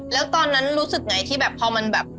แล้วตอนนั้นรู้สึกไงที่แบบพอมันแบบ